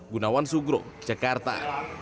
gunawan sugro jakarta